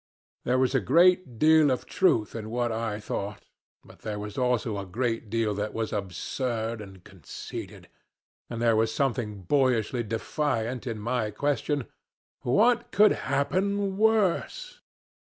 There was a great deal of truth in what I thought, but there was also a great deal that was absurd and conceited, and there was something boyishly defiant in my question: "What could happen worse?"